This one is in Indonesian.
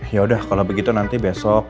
yaudah kalau begitu nanti besok